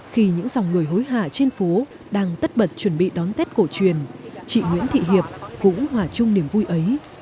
khi những dòng người hối hả trên phố đang tất bật chuẩn bị đón tết cổ truyền chị nguyễn thị hiệp cũng hòa chung niềm vui ấy